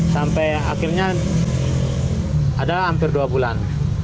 sampai akhirnya ada hampir dua bulan